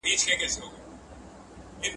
د لمر وهلي مخ داغونه د هغه د سخت کار نښه وه.